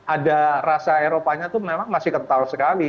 ada rasa eropanya itu memang masih kental sekali